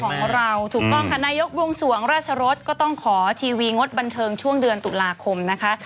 ของเราถูกต้องค่ะนายกบวงสวงราชรสก็ต้องขอทีวีงดบันเทิงช่วงเดือนตุลาคมนะคะ